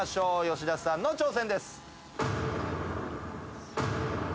吉田さんの挑戦です。